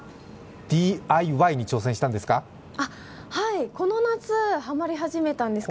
ＤＩＹに挑戦したんですか？